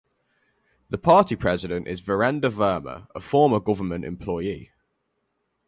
The party president is Virender Verma, a former government employee.